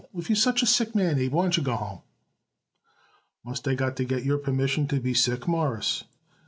If you are such a sick man, Abe, why don't you go home?" "Must I got to get your permission to be sick, Mawruss?"